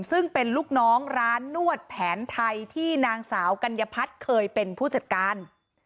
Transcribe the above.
ซึ่งเป็นลูกน้องร้านนวดแผนไทยที่นางสาวกัญญพัฒน์เคยเป็นผู้จัดการ